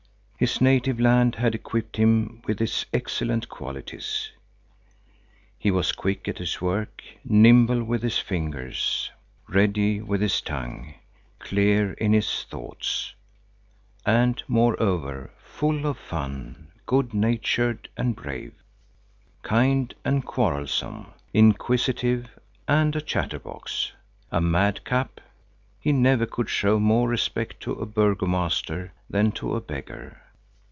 His native land had equipped him with its excellent qualities. He was quick at his work, nimble with his fingers, ready with his tongue, clear in his thoughts. And, moreover, full of fun, good natured and brave, kind and quarrelsome, inquisitive and a chatterbox. A madcap, he never could show more respect to a burgomaster than to a beggar!